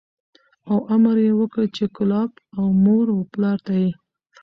او امر یې وکړ چې کلاب او مور و پلار ته یې